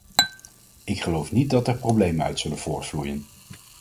Ik geloof niet dat er problemen uit zullen voortvloeien.